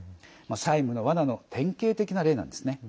債務の罠の典型的な例なんですね。